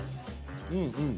うんうん。